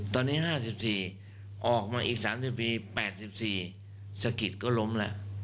ตอนนี้๕๔ออกมาอีก๓๐ปี๘๔สะกิดก็ล้มแล้ว